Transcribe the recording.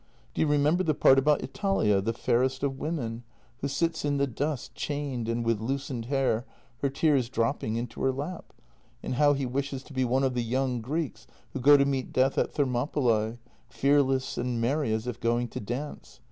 Do you remember the part about Italia, the fairest of women, who sits in the dust chained and with loosened hair, her tears drop JENNY 175 ping into her lap? And how he wishes to be one of the young Greeks who go to meet death at Thermopylæ, fearless and merry as if going to dance?